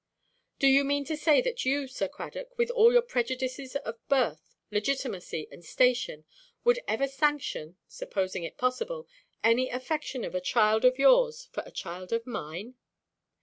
"Do you mean to say that you, Sir Cradock, with all your prejudices of birth, legitimacy, and station, would ever sanction—supposing it possible—any affection of a child of yours for a child of mine?"